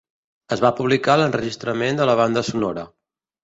Es va publicar l'enregistrament de la banda sonora.